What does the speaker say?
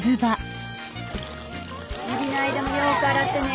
指の間もよーく洗ってね。